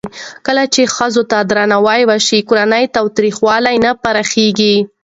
کله چې ښځو ته درناوی وشي، کورنی تاوتریخوالی نه پراخېږي.